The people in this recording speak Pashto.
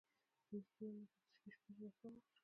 د مسکينانو نه پټ د شپې شپې را شکوو!!.